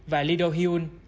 và lee do hyun